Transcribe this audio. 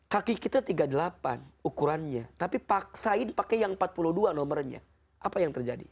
kaki kita tiga puluh delapan ukurannya tapi paksain pakai yang empat puluh dua nomornya apa yang terjadi